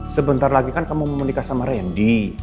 sebentar lagi kan kamu mau menikah sama randy